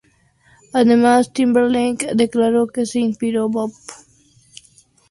Además, Timberlake declaró que se inspiró en Bob Dylan.